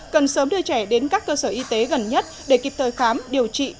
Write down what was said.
cần sớm đưa trẻ đến các cơ sở y tế gần nhất để kịp thời khám điều trị